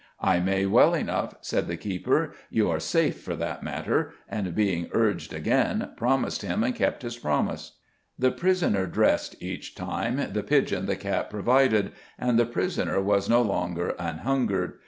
'I may well enough,' said the keeper, 'you are safe for that matter,' and being urged again, promised him and kept his promise." The jailor dressed each time the pigeon the cat provided, and the prisoner was no longer an hungered.